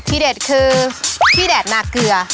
ที่เด็ดคือพี่แดดนาเกลือ